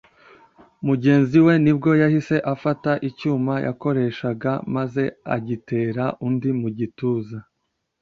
mugenzi we nibwo yahise afata icyuma yakoreshaga maze agitera undi mu gituza